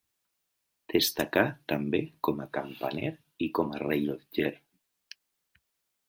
Destacà també com a campaner i com a rellotger.